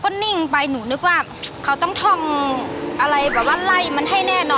และหนูก็สลุงตื่น